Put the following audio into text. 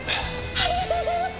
ありがとうございます！